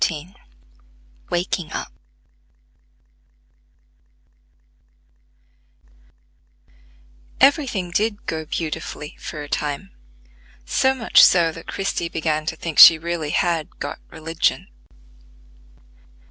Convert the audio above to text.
] Every thing did "go beautifully" for a time; so much so, that Christie began to think she really had "got religion."